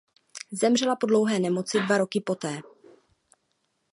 Zemřela po dlouhé nemoci dva roky poté.